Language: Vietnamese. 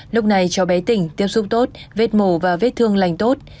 lúc này cháu bé tỉnh tiếp xúc tốt vết mổ và vết thương lành tốt